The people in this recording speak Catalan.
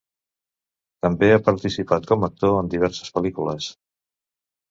També ha participat com a actor en diverses pel·lícules.